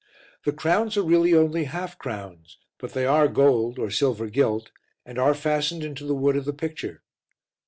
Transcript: The crowns are really only half crowns, but they are gold or silver gilt, and are fastened into the wood of the picture.